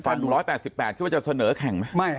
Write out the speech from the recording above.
๑๘๘คิดว่าจะเสนอแข่งไหม